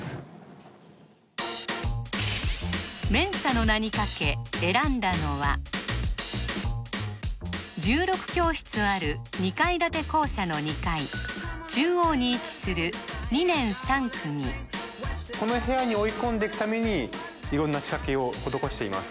ＭＥＮＳＡの名に懸け選んだのは１６教室ある２階建て校舎の２階中央に位置する２年３組この部屋に追い込んでいくために色んな仕掛けを施しています